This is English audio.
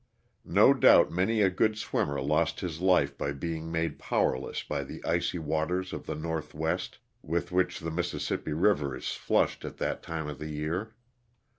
No doubt many a good swimmer lost his life by being made powerless by the icy waters of the northwest with which the Mississippi river is flushed at that time of the year.